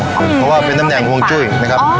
เพราะว่าเป็นตำแหน่งห่วงจุ้ยนะครับ